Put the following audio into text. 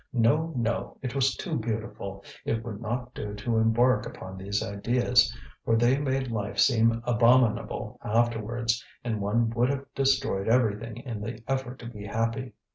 No, no, it was too beautiful; it would not do to embark upon these ideas, for they made life seem abominable afterwards, and one would have destroyed everything in the effort to be happy.